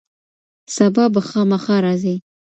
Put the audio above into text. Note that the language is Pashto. سبا به خامخا راځي.